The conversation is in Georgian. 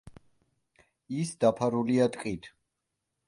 ის დაფარულია ტყით.